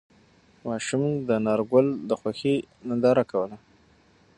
ماشوم د انارګل د خوښۍ ننداره کوله.